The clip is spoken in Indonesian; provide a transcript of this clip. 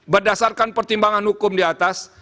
berdasarkan pertimbangan hukum di atas